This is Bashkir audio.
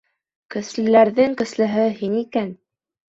Көслөләрҙең көслөһө һин икән.